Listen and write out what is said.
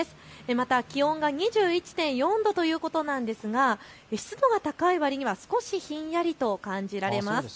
また気温が２１．４度ということなんですが湿度が高いわりには少しひんやりと感じられます。